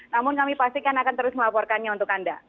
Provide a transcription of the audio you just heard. namun kami pastikan akan terus melaporkannya untuk anda